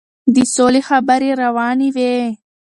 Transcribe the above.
د سولې خبرې روانې وې.